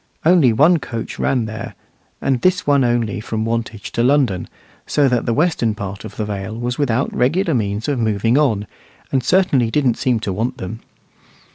Only one coach ran there, and this one only from Wantage to London, so that the western part of the Vale was without regular means of moving on, and certainly didn't seem to want them.